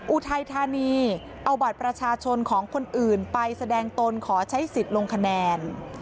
อุทัยธานีเอาบัตรประชาชนของคนอื่นไปแสดงตนขอใช้สิทธิ์ลงคะแนน